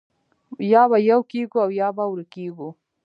یا به یو کېږو او یا به ورکېږو